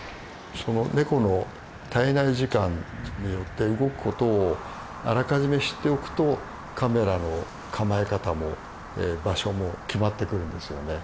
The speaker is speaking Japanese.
そのネコの体内時間によって動くことをあらかじめ知っておくとカメラの構え方も場所も決まってくるんですよね。